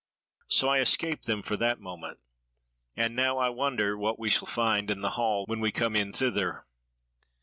So I escaped them for that moment. And now I wonder what we shall find in the hall when we come in thither.